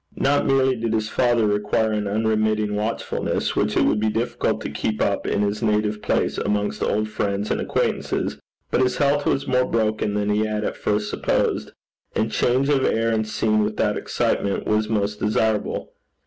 Not merely did his father require an unremitting watchfulness, which it would be difficult to keep up in his native place amongst old friends and acquaintances, but his health was more broken than he had at first supposed, and change of air and scene without excitement was most desirable.